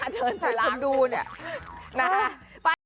เป็นคนดูเนี่ย